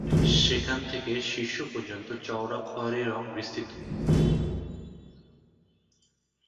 সেখান থেকে শীর্ষ পর্যন্ত চওড়া খয়েরি রঙ বিস্তৃত।